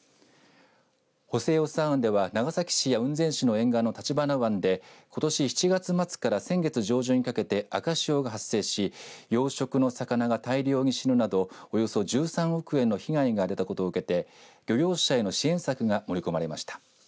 補正予算案では長崎市や雲仙市の沿岸の橘湾でことし７月末から先月上旬にかけ赤潮が発生し養殖の魚が大量に死ぬなどおよそ１３億円の被害が出たことを受けて漁業者への支援策が盛り込まれました。